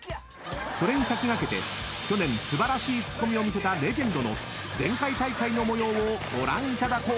［それに先駆けて去年素晴らしいツッコミを見せたレジェンドの前回大会の模様をご覧いただこう］